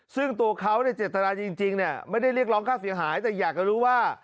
ซึ่งตัวเขาในเจตนาจริงไม่ได้เรียกร้องค่าเสียหายแต่อยากจะรู้ว่า